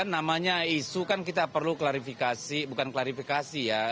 namanya isu kan kita perlu klarifikasi bukan klarifikasi ya